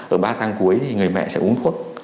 ở ba tháng cuối thì người mẹ sẽ uống thuốc